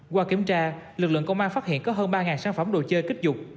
qua kiểm tra lực lượng công an phát hiện có hơn ba sản phẩm đồ chơi kích dục